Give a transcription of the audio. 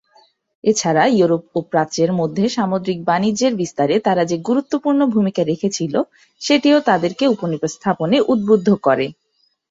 এছাড়া ইউরোপ ও প্রাচ্যের মধ্যে সামুদ্রিক বাণিজ্যের বিস্তারে তারা যে গুরুত্বপূর্ণ ভূমিকা রেখেছিল, সেটিও তাদেরকে উপনিবেশ স্থাপনে উদ্বুদ্ধ করে।